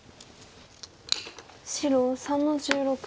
白３の十六取り。